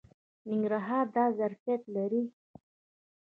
ننګرهار دا ظرفیت لري.